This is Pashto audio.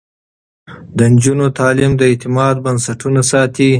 د نجونو تعليم د اعتماد بنسټونه ساتي.